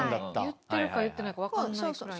言ってるか言ってないかわかんないぐらいの。